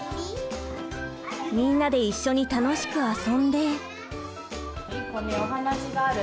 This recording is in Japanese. みんなで一緒に楽しく遊んで。